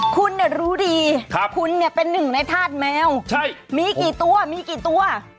คุณรู้ดีคุณเป็นหนึ่งในทาสแมวมีกี่ตัวใช่